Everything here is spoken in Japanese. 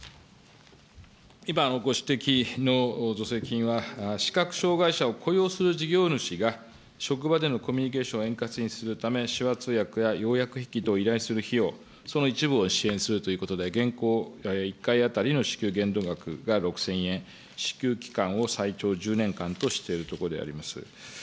今、ご指摘の助成金は、視覚障害者を雇用する事業主が職場でのコミュニケーションを円滑にするため、手話通訳や要約筆記等依頼する費用、その一部を支援するということで、現行１回当たりの支給限度額が６０００円、支給期間を最長１０年間としているところであります。